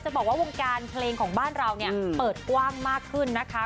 จะบอกว่าวงการเพลงของบ้านเราเปิดว่ามมากขึ้นนะคะ